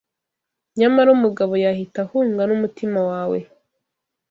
Nyamara Umugabo yahita ahunga numutima wawe